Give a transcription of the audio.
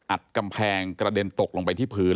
กำแพงกระเด็นตกลงไปที่พื้น